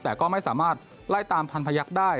แต่ก็ไม่สามารถไล่ตามพันพยักษ์ได้